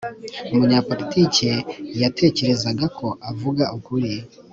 umunyapolitike yatekerezaga ko avuga ukuri